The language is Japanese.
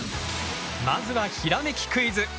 まずはひらめきクイズ！